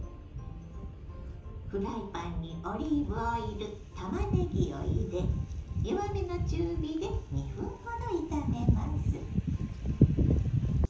フライパンにオリーブオイルたまねぎを入れ弱めの中火で２分ほど炒めます。